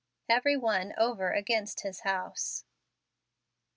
" Every one over against his house."